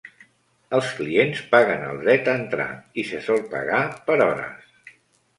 Els clients paguen el dret a entrar, i se sol pagar per hores.